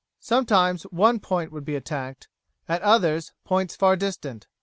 Sometimes one point would be attacked, at others points far distant.